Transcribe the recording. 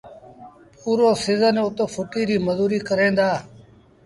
پورو سيٚزن اُت ڦُٽيٚ ريٚ مزوريٚ ڪريݩ دآ.